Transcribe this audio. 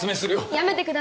やめてください。